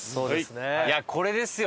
いやこれですよ。